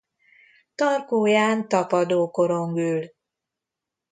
Tarkóján tapadókorong ül.